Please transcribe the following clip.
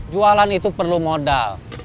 jualan itu perlu modal